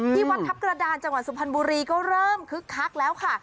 ที่วัดทัพกระดานจังหวัดสุพรรณบุรีก็เริ่มคึกคักแล้วค่ะ